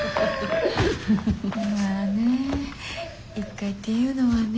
まぁね１階っていうのはね